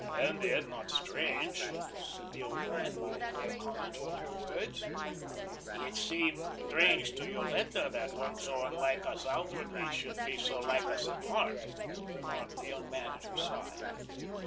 "And yet not strange," said the old man, by way of comment on her words. "It seemed strange to Yoletta that one so unlike us outwardly should be so like us in heart," remarked the young man at her side.